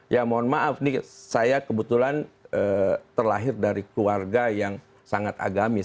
ya mohon maaf nih saya kebetulan terlahir dari keluarga yang sangat agamis